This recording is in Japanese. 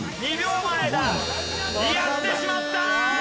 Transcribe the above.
２秒前だ。